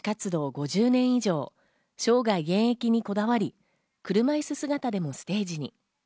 ５０年以上、生涯現役にこだわり、車いす姿でもステージに。